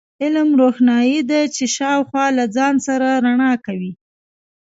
علم، روښنایي ده چې شاوخوا له ځان سره رڼا کوي.